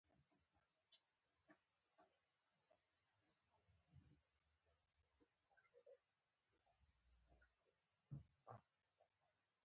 په انګلیسي ترجمه کولې.